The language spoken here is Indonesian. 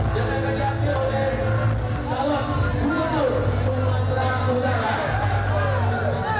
dan akan diambil oleh calon gubernur sumatera utara